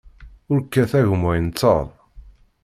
Ur kkat a gma ineṭṭeḍ.